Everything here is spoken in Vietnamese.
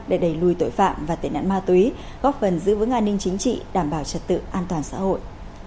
để đẩy lùi tội phạm và tệ nạn ma túy góp phần giữ vững an ninh chính trị đảm bảo trật tự an toàn xã hội